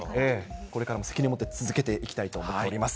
これからも責任持って続けていきたいと思っております。